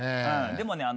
でもね